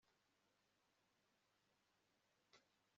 badutegerereza i Tirowa Ariko iminsi mikuru ntiyakunda